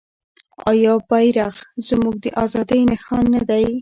آیا بیرغ زموږ د ازادۍ نښان نه دی؟